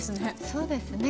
そうですね